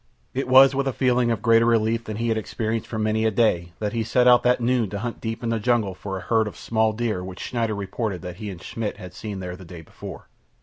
It was with a feeling of greater relief than he had experienced for many a day that he set out that noon to hunt deep in the jungle for a herd of small deer which Schneider reported that he and Schmidt had seen there the day before.